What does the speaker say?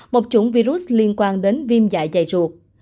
một chủng virus liên quan đến viêm dại dày ruột